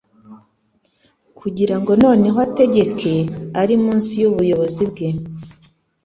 kugira ngo noneho ategeke ari munsi y'ubuyobozi bwe.